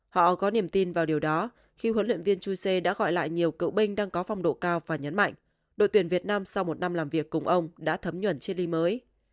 họ có niềm tin vào điều đó khi huấn luyện viên chuse đã gọi lại nhiều cựu binh đang có phong độ cao và nhấn mạnh đội tuyển việt nam sau một năm làm việc cùng ông đã thấm nhuẩn trên đi mới